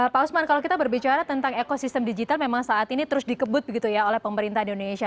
pak usman kalau kita berbicara tentang ekosistem digital memang saat ini terus dikebut begitu ya oleh pemerintah indonesia